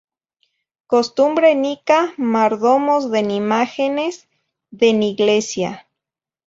costumbre nicah mardomos de nimágenes de niglesia.